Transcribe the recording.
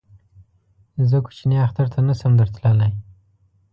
زه کوچني اختر ته نه شم در تللی